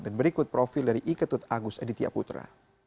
dan berikut profil dari iketut agus editia putra